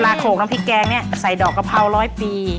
โขกน้ำพริกแกงเนี่ยใส่ดอกกะเพราร้อยปี